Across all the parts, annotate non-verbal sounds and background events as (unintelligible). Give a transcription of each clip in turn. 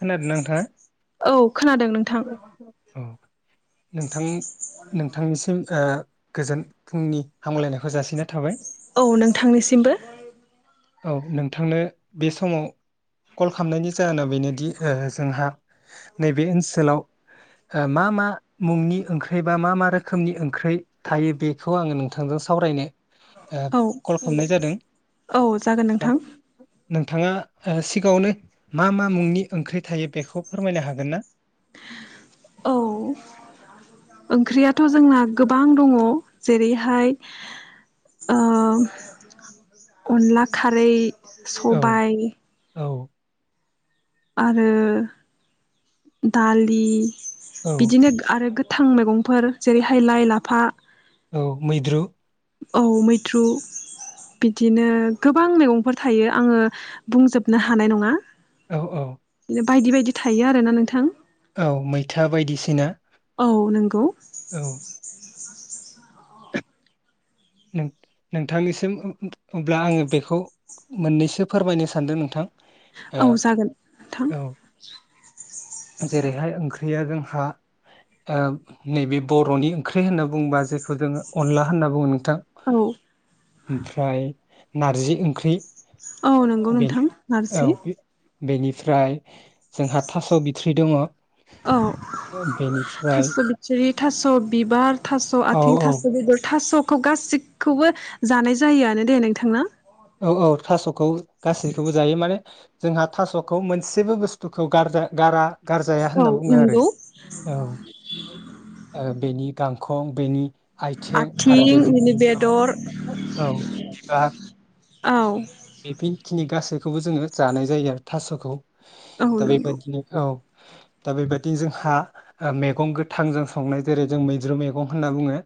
खोनादों नोंथाङा (inaudible) औ खोनादों नोंथां। औ नोंथां नोंथांनिसिम ओ गोजोन फुंनि हामलायनायखौ जासिनाय थाबाय। औ नोंथांनिसिमबो। औ नोंथांनो बे समाव कल खालामनायनि जाहोना बेनो दि जोंहा नैबे ओनसोलाव ओ मा मा मुंनि ओंख्रि बा मा मा रोखोमनि ओंख्रि थायो बेखौ आङो नोंथांजों सावरायनो ओ औ कल खालामनाय जादों (inaudible) औ जागोन नोंथां। नोंथाङा ओ सिगाङावनो मा मा मुंनि ओंख्रि थायो बेखौ फोरमायनो हागोन ना? (inaudible) औ ओंख्रियाथ' जोंना गोबां दङ जेरैहाय ओ अनला खारै औ सबाइ औ आरो दालि औ बिदिनो आरो गोथां मैगंफोर जेरैहाय लाइ लाफा औ मैद्रु औ मैथ्रु बिदिनो गोबां मैगंफोर थायो आङो बुंजोबनो हानाय नङा। औ औ। बायदि बायदि थायो आरोना नोंथां। औ मैथा बायदिसिना औ नंगौ (inaudible) औ। (inaudible) नों-नोंथांनिसिम अ-अब्ला आङो बेखौ मोननैसो फोरमायनो सानदों नोंथा औ जागोन नोंथां। (inaudible) जेरैहाय ओंख्रि या जोंहा नैबे बर'नि ओंख्रि होनना बुङोबा जेखौ जोङो अनला होन्ना बुङो। थां औ (inaudible) ओमफ्राय नारजि ओंख्रि औ नंगौ बे नोंथां औ नारजि। बे बेनिफ्राय जोंहा थास' बिथ थ्रि दंङ। औ थास' बिथरि, थास' बिबार, थास' औ आथिं, औ थास' बेदर, थास' खौ गासिखौबो जानाय जायोआनो दे नोंथांना? औ औ थास'खौ गासैखौबो जायो माने जोंहा थास'खौ मोनसेबो बुस्थुखौ गारजा गारा गारजाया होनना औ बुङो आरो नंगौ औ ओ बेनि गांखं बेनि आथिं आरो बेनि बिनि औ बेदर औ बिबार औ बेखिनि गासैखौबो जोङो जानाय जायो आरो थास'खौ औ दा नंगौ बेबायादिनो औ दा बेबदि जोंहा मैगं गोथां जों संनाय जेरै जों मैद्रु मैगं होनना बुङो।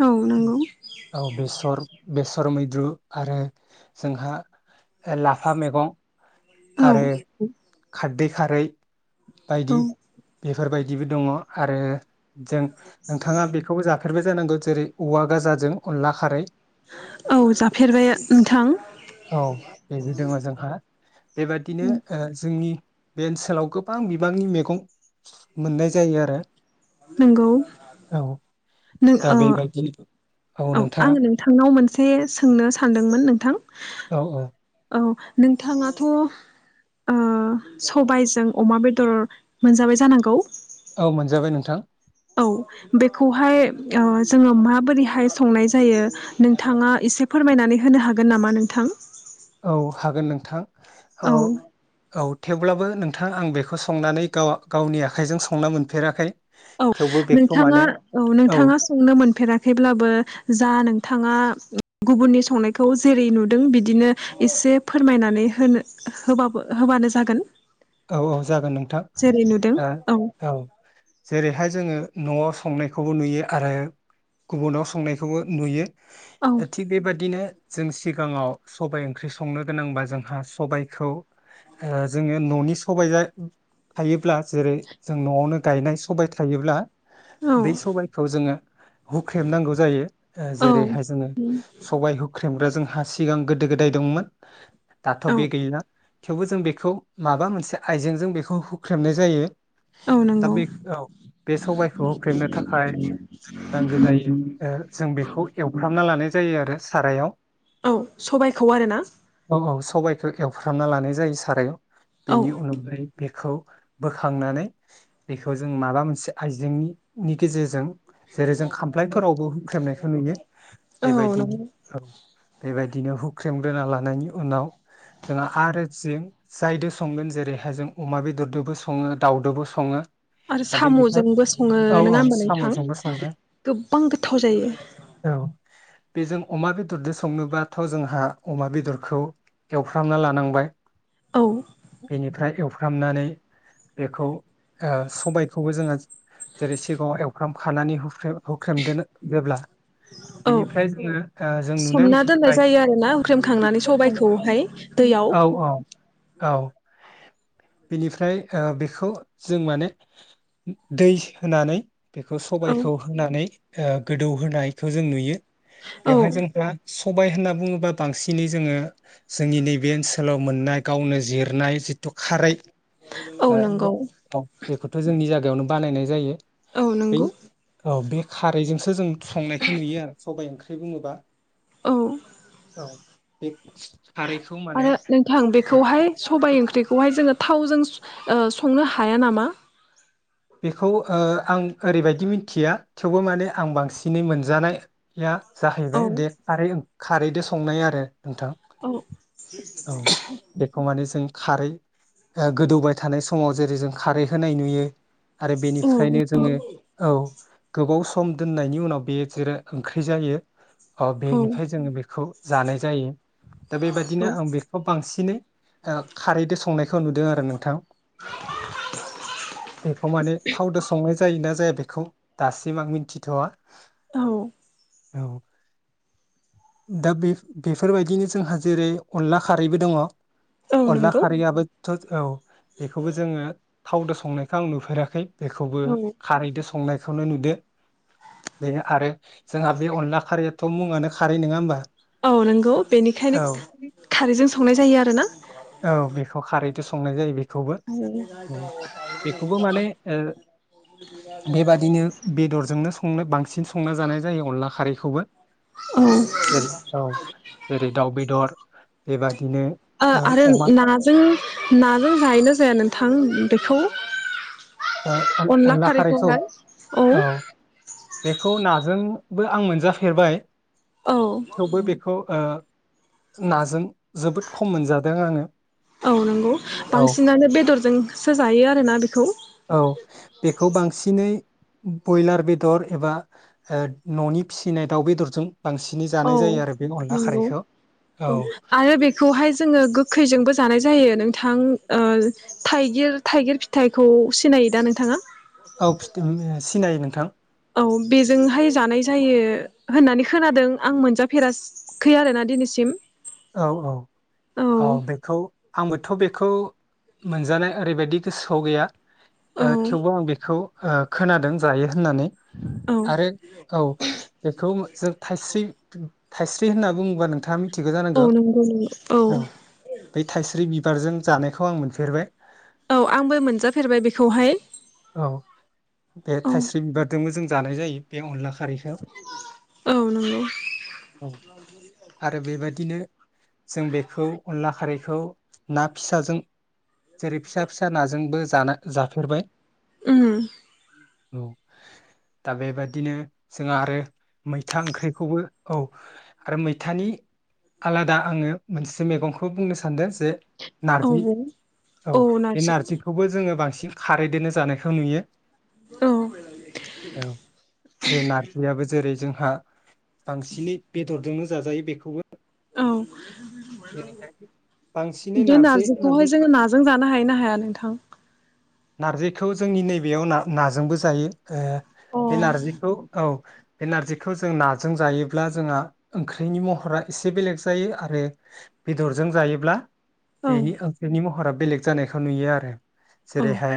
औ नंगौ औ बेसर बेसर मैद्रु आरो जोंहा लाफा मैगं औ आरो खारदै खारै औ बायदि बेफोरबायदिबो दङ आरो जों नोंथाङा बेखौबो जाफेरबाय जे नंगौ जेरै औवा गाजों अनला खारै औ जाफेरबाय नोंथां औ बेबो दङ जोंहा (inaudible) बेबादिनो जोंनि बे ओनसोलाव गोबां बिबांनि मैगं मोननाय जायो आरो नोंगौ औ नों दा अ बेबायदिनो औ आङो नोंथांनाव मोनसे सोंनो सानदोंमोन नोंथां। औ औ। औ नोंथाङाथ' ओ सबायजों अमा बेदर मोनजाबाय जानांगौ। औ मोनजाबाय नोंथां औ बेखौहाय जोङो ओ माबोरैहाय संनाय जायो नोंथाङा एसे फोरमायनानै होनो हागोन नामा नोंथां? औ हागोन नों थां औ औ थेवब्लाबो नोंथां आं बेखौ संनानै गाव गावनि आखाइजों संना मोनफेराखै। औ थेवबो बेखौ नोंथाङा माने औ नोंथाङा संनो मोनफेराखैब्लाबो जा नोंथाङा गुबुननि संनायखौ जेरै नुदों बिदिनो एसे फोरमायनानै होनो होबाबो होबानो जागोन। औ औ जागोन नोंथां जेरै नुदों औ जेरै बेहाय जोङो न'आव संनायखौबो नुयो आरो गुबुनाव संनायखौबो नुयो औ थिग बेबादिनो जों सिगाङाव सबाय ओंख्रि संनो गोनांबा जोंहा सबाइखौ जोङो न'नि सबाय थायोब्ला जेरै जों न'आवनो गायनाय सबाय थायोब्ला औ बै सबायखौ जोङो हुख्रेमनांगौ जायो औ जेरैहाय जोङो सबाय हुख्रेमग्रा जोंहा सिगां गोदो गोदाय दंमोन दाथ' औ बे गैला थेवबो जों बेखौ माबा मोनसे आइजेंजों बेखौ हुख्रेमनाय जायो औ दा नंगौ बे औ बे सबायखौ होख्रेमनो थाखाय जों नांगो जायो जों बेखौ एवफ्रामना लानाय जायो आरो सारायाव औ सबायखौ आरोना सबायाइखौ एवफ्रामना लानाय जायो सारायाव औ बेनि उनाव बेखौ बोखांनानै बेखौ जों माबा मोनसे आइजेंनि गेजेरजों जेरै जों खामफ्लायफोरावबो हुख्रेमनाय नुयो औ बेबायदि नंगौ औ बेबायदि बिदिनो हुख्रेमग्रोना लानायनि उनाव जोंहा आरो जि जायदो संगोन जेरै नाथाय जों अमा बेदरजोंबो सङो दाउदोबो सङो आरो दा बेनिफ्राय साम'जोंबो सङो औ औ नङा होनबा नोंथां साम'जोंबो सङो गोबां गोथाव जायो औ बेजों अमा बेदरजों संनोबाथ' जोंहा अमा बेदरखौ एवफ्रामना लानांबाय औ बेनिफ्राय एवफ्रामनानै बेखौ सबायखौबो जोङो जेरै सिगाङाव एवफ्राम खानानैे होख्रेमदो जोबब्ला औ बेनिफ्राय जोङो ओ जों नुनाय सोमना दोननाय मिथिबाय जायो आरो ना अख्रेमखांनानै सबायाइखौहाय दैयाव औ औ औ बेनिफ्राय ओ बेखौ जों माने दै होनानै बेखौ औ सबायखौ होनानै ओ गोदौ होनायखौ जों नुयो औ बेवहाय जोंफ्रा सबाय होनना बुङोबा बांसिनै जोङो जोंनि नैबे ओनसोलाव मोननाय गावनो जिरनाय खारै औ नंगौ औ बेखौथ जोंनि जायगायावनो बानायनाय जायो औ बे नंगौ औ बे खारैजोंसो जों संनायखौ नुयो आरो सब ओंख्रि बुङोबा औ औ बे खारै आरो नोंथां बेखौहाय सबायाइ ओंख्रिखौहाय जोङो थावजों ओ संनो हाया नामा बेखौ ओ आं ओरैबायदि मिथिया थेवबो माने आं बांसिनै मोनजानाया औ जाहैबाय दे खारै खारैजों संनाय आरो नोंथां औ औ बेखौ माने जों खारै गोदौबाय थानाय समाव जेरै जों खारै होनाय नुयो। आरो औ बेनिफ्रायनो जोङो औ गोबाव सम दोननायनि उनाव बेयो जेरै ओंख्रि जायो अ औ बेनिफ्राय जोङो बेखौ जानाय जायो दा बेबादिनो औ आं बेखौ बांसिनै खारैजों संनायखौ नुदों आरो नोंथां बेखौ माने थावद संनाय जायोना जाया बेखौ दासिम आं मिथिथवा औ औ दा बे बेफोरबायदिनो जोंहा जेरै अनला खारैबो दङ औ अनला नंगौ खारै आबो थ' औ बेखौबो जोङो थावदो संनो आं नुफेराखै बेखौबो औ खारैदो स संनायखौनो नुदो बे आरो जोंहा बे अनला खारैयाथ मुङानो खारै नङा होमबा। औ नंगौ बेनिखायनो औ खारैजों संनाय जायो आ ना औ बेखौ खारै संनाय जायो । बेखौबो माने ओ बेबादिनो बेदरजोंनो संनो बां सिन संना जानाय जायो अनला खारैखौबो। औ ओ जेरै औ जेरै दाउ बेदर बेबादिनो ओ आरो नाजों नाजों जायोना जाया नोंथां बेखौ ओ अनला खारैखौ खारैखौहाय औ बेखौ नाजोंबो आं मोनजाफेरबाय औ थेवबो बेखौ ओ नाजों जोबोद खम मोनजादों आङो औ नंगौ औ बांसिनानो बेदरजोंसो जायो आरोना बेखौ औ बेखौ बांसिनै बयलार बेदर एबा न'नि फिसिनाय दाउ बेदरजों बांसिनै जानाय औ जायो आरो बे अनला नंगौ खारैखौ औ आरो बेखौहाय जोङो गोखैजोंबो जानाय। जायो नोंथां थाइगिर थाइगिर फिथाइखौ सिनायो दा नोंथाङा औ फि सिनायो नों नोंथां औ बेजोंहाय जानाय जायो होननानै खोनादों आं मोनजाफेराखै आरोना दिनैसिम औ औ औ बेखौ आंबोथ' बेखौ मोनजानाय ओरैबायदि गोसोआव गैया औ थेवबो आं बेखौ खोनादों जायो होननानै औ आरो औ बेखौ जों थाइस्रि थाइस्रि होनना बुङोबा नोंथाङा मिथिगौ औ जानांगौ नंगौ नों औ। बारजों जानायखौ आं मोनफेरबाय। औ आंबो मोनजाफेरबाय बेखौहाय। औ बे औ थाइस्रि (unintelligible) जोंबो जों जानाय जायो बे अनला खारैखौ। औ नंगौ। औ आरो बेबादिनो जों बेखौ अनला खारैखौ ना फिसाजों जेरै फिसा फिसा नाजोंबो जाना जाफेरबाय। उम। औ दा बेबादिनो जोंहा आरो मैथा ओंख्रिखौबो औ आरो मैथानि आलादा आङो मोनसे मैगंखौ बुंनो सानदों जे नारजि औ औ बे नारजिखौबो जोङो बांसिन खारैदोन जानायखौ नुयो औ औ बे नारजियाबो जेरै जोंहा बांसिनै बेदरजोंनो जाजायो बेखौबो। औ (unintelligible) बे नारजि होननानै नारजिखौहाय बुङोबा जोङो नाजों जानो हायो ना हाया नोंथां। नार्जिखौ जोंनि नैबेयाव ना-नाजोंबो जायो औ बे नारजिखौ औ बे नार्जिखौ जों नाजों जायोब्ला जोंहा ओंख्रिनि महरा एसे बेलेग जायो आरो बेदरजों जायोब्ला औ बेनि बेनि म हरा बेलेग जानायखौ नुयो आरो। जेरैहाय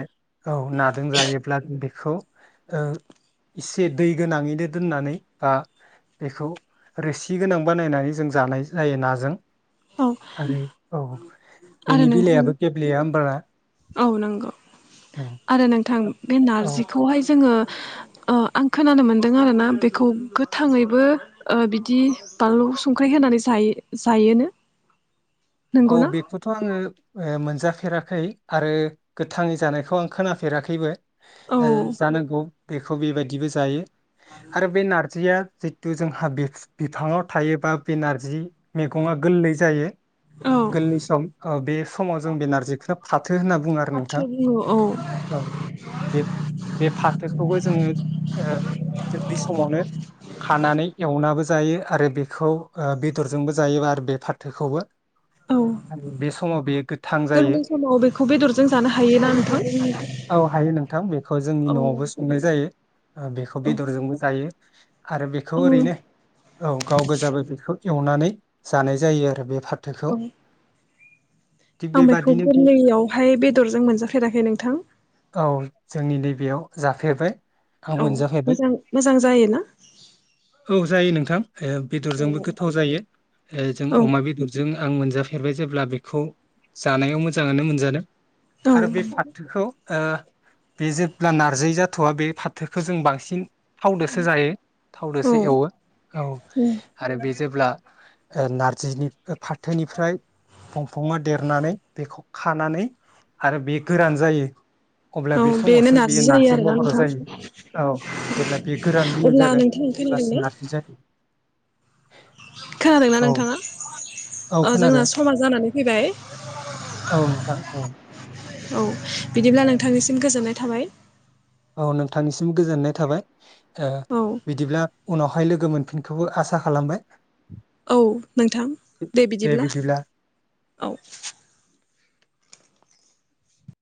औ नाजों जायोब्ला बेखौ ओ एसे दै गोनाङैनो दोननानै बा बेखौ रोसि गोनां बानायनानै जों जानाय जायो नाजों। औ आरो औ। आरो बेनि नोंथां बिलायाबो गेब्लेया होमबाना। औ नंगौ औ आरो नोंथां बे औ नारजिखौहाय जोङो अ आं खोनानो मोनदों आरोना बेखौ गोथाङैबो ओ बिदि बानलु संख्रि होनानै जायो जायोनो औ नंगौना? बेखौथ' आङो। ओ मोनजाफेराखै आरो गोथाङै जानायखौ आं खोनाफेराखैबो। औ जानांगौ। बेखौ बेबायदिबो जायो। आरो बे नारजिया जितु जोंहा (unintelligible) बिफाङाव थायोबा बे नारजि मैगङा गोरलै जायो। औ गोलै सम ओ बे समाव जों बे नारजिखौनो फाथ थो होनना बुङो आरो फाथो नोंथां बुङो औ औ बे फाथोखौबो जोङो गोरलै समावनो खानानै एवनाबो जायो आरो बेखौ ओ बेदरजोंबो जायो आरो बे फाथोखौबो। औ आरो बे समाव बेयो गोथां जायो गोरलै समाव बेखौ बेदरजों जानो हायोना नोंथां? औ हायो नोंथां बेखौ जोंनि औ न'आवबो संनाय जायो बेखौ औ बेदरजोंबो जायो आरो बेखौ ओरैनो औ औ गाव गोजाबै बेखौ एवनानै जानाय जायो आरो बे थोखौ औ आं बेखौ गोरलैयावहाय बेदरजों मोनजाफेराखै नोंथां औ जोंनि नैबेयाव जाफेरबाय आं औ मोनजाफेरबाय मोजां - मोजां जायो ना औ जायो नोंथां बेदरजोंबो गोथाव जायो जों औ अमा बेदर जों आं मोनजाफेरबाय जेब्ला बेखौ जानायाव मोजाङानो मोनजादों आरो बे औ फाथोखौ ओ बे जेब्ला नारजि जाथ'वा बे फाथोखौ जों बांसिन थावजोंसो जायो थावजोंसो एवो औ आरो बे जेब्ला नारजिनि फाथोनिफ्राय दंफाङा देरनानै बेखौ खानानै आरो बे गोरान जायो अब्ला औ बे बेनो समावसो बेयो नारजि जायो नार्जि आरोना बगाराव नोंथां जायो औ जेब्ला बे गोरान गाय अब्ला जागोन नोंथां अब्लासो खोनादोंना नारजि जायो खोनादोंना औ नोंथाङा? औ अ खोनादों जोंना समा जानानै फैबाय औ नोंथां औ औ बिदिब्ला नोंथांनिसिम गोजोननाय थाबाय। औ नोंथांनिसिम गोजोननाय थाबाय ओ औ बिदिब्ला उनावहाय लोगो मोनफिनखोबो आसा खालामबाय औ नोंथां दे बिदिब्ला औ